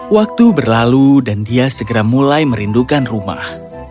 waktu berlalu dan dia segera mulai merindukan rumah